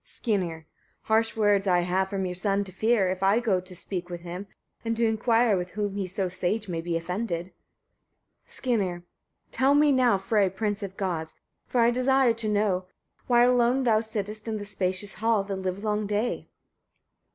Skirnir. 2. Harsh words I have from your son to fear, if I go to speak with him, and to inquire with whom he so sage may be offended. Skirnir. 3. Tell me now, Frey, prince of gods! for I desire to know, why alone thou sittest in the spacious hall the livelong day?